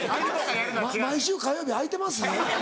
毎週火曜日空いてます？